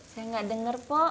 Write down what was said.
saya gak denger pok